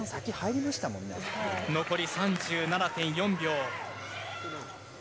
残り３７．４秒。